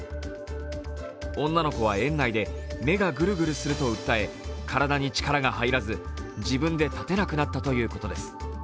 女の子は園内で目がぐるぐるすると訴え体に力が入らず、自分で立てなくなったということです。